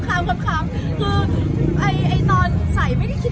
แต่คุณมาทำอะไรคุณมากำลังใจสิ